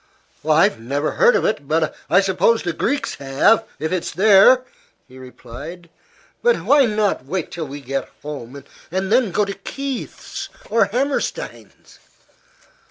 "I've never heard of it; but I suppose the Greeks have, if it's there," he replied. "But why not wait till we get home, and then go to Kieth's or Hammerstein's?"